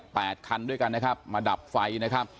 แปดขั้นด้วยกันบ้านนี้มาดับไฟ